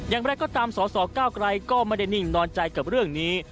อย่างไรก็ตามสสเก้าไกรก็ไม่ได้นิ่งนอนใจกับเรื่องนี้